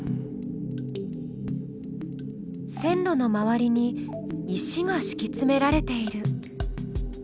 線路の周りに石がしきつめられている。